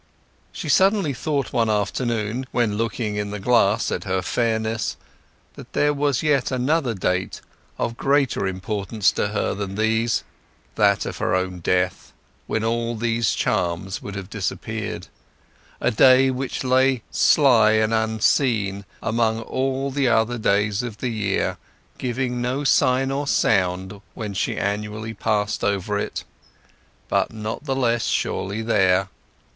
She suddenly thought one afternoon, when looking in the glass at her fairness, that there was yet another date, of greater importance to her than those; that of her own death, when all these charms would have disappeared; a day which lay sly and unseen among all the other days of the year, giving no sign or sound when she annually passed over it; but not the less surely there.